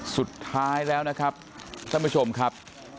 สุดท้ายแล้วนะครับท่านผู้ชมครับ